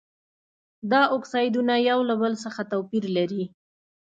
دا اکسایدونه یو له بل څخه توپیر لري.